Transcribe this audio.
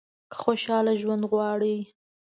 که خوشاله ژوند غواړئ .